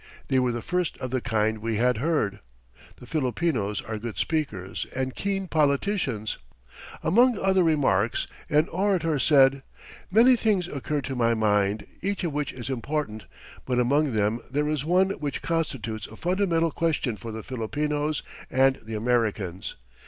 They were the first of the kind we had heard. The Filipinos are good speakers and keen politicians. Among other remarks, an orator said: "Many things occur to my mind, each of which is important, but among them there is one which constitutes a fundamental question for the Filipinos and the Americans.